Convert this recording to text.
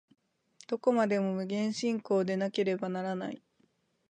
どこまでも無限進行でなければならない。